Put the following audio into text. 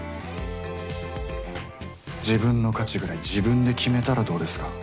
自分の価値ぐらい自分で決めたらどうです